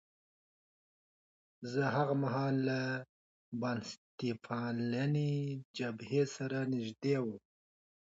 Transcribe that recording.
زه هاغه مهال له بنسټپالنې جبهې سره نژدې وم.